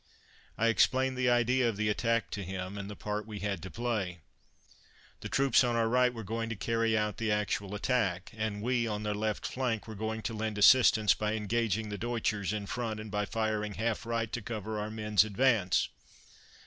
I explained the idea of the attack to him, and the part we had to play. The troops on our right were going to carry out the actual attack, and we, on their left flank, were going to lend assistance by engaging the Deutschers in front and by firing half right to cover our men's advance.